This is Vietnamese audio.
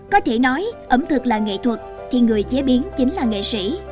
có thể nói ẩm thực là nghệ thuật thì người chế biến chính là nghệ sĩ